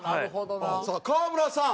さあ川村さん。